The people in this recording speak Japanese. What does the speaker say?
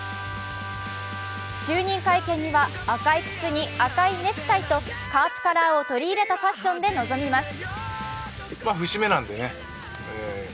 就任会見には赤い靴に赤いネクタイとカープカラーを取り入れたファッションで臨みます。